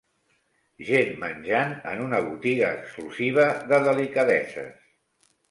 Gent menjant en una botiga exclusiva de delicadeses.